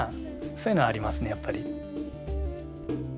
そういうのはありますねやっぱり。